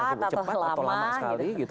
cepat atau lama cepat atau lama sekali gitu